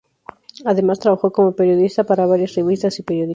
Además, trabajó como periodista para varias revistas y periódicos.